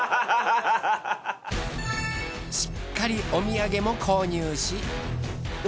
しっかりお土産も購入し。